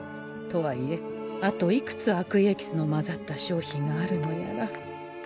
とはいえあといくつ悪意エキスの混ざった商品があるのやら。